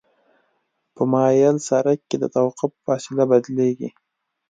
په مایل سرک کې د توقف فاصله بدلیږي